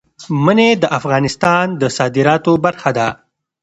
منی د افغانستان د صادراتو برخه ده.